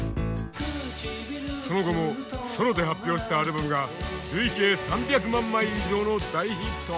その後もソロで発表したアルバムが累計３００万枚以上の大ヒット。